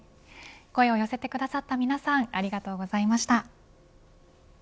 声を寄せてくださった皆さんありがとうございました。